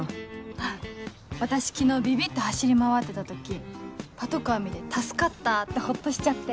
あっ私昨日ビビって走り回ってた時パトカー見て「助かった！」ってホッとしちゃって。